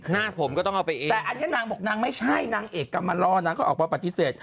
หน้าผมก็ต้องเอาไปเองแต่อันนี้นางบอกนางไม่ใช่นางเอกกรรมมาล่อนางก็ออกมาปฏิเสธ